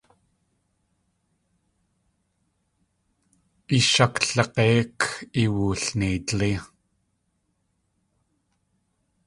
Ishaklig̲éik iwulneidlí.